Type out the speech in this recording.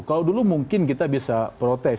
kalau dulu mungkin kita bisa protes